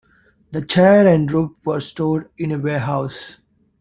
The chair and rope were stored in a ware- house.